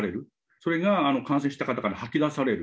それが感染した方から吐き出される。